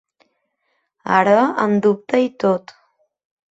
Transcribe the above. Ara en dubta i tot.